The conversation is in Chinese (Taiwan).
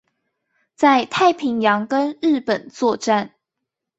在太平洋跟日本作戰